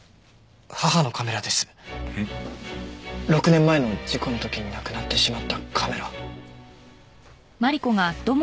６年前の事故の時になくなってしまったカメラ。